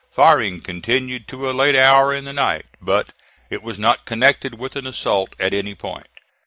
Firing continued to a late hour in the night, but it was not connected with an assault at any point.